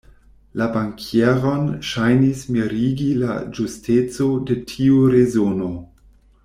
La bankieron ŝajnis mirigi la ĝusteco de tiu rezono.